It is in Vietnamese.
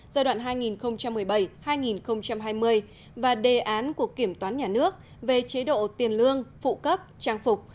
giai đoạn hai nghìn một mươi bảy hai nghìn hai mươi và đề án của kiểm toán nhà nước về chế độ tiền lương phụ cấp trang phục